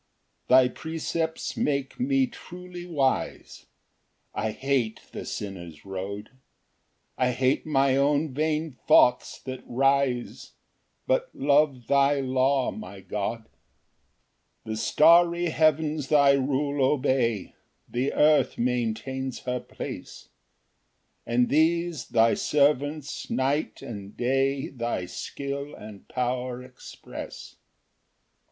Ver. 104 113. 5 Thy precepts make me truly wise: I hate the sinner's road; I hate my own vain thoughts that rise, But love thy law, my God. Ver. 89 90 91. 6 [The starry heavens thy rule obey, The earth maintains her place; And these thy servants night and day Thy skill and power express!